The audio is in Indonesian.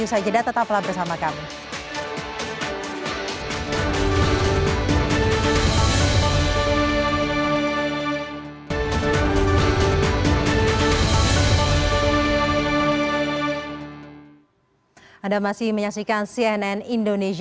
usai jeda tetaplah bersama kami